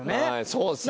そうですね。